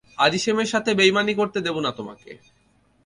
আরিশেমের সাথে বেইমানি করতে দেব না তোমাকে।